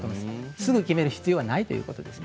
すぐに決める必要はないということですね。